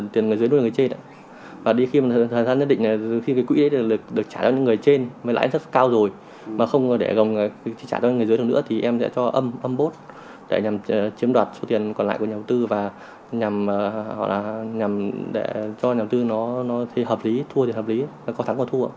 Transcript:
thì em sẽ cho âm bốt để chiếm đoạt số tiền còn lại của nhà đầu tư và nhằm cho nhà đầu tư nó thì hợp lý thua thì hợp lý có thắng có thua